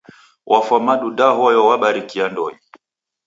Wafwa madu da hoyo wabarikia ndonyi.